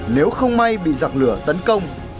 nếu không may bị giặc lửa tấn công